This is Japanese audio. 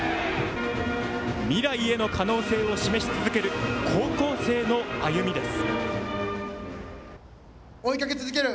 未来への可能性を示し続ける高校生の歩みです。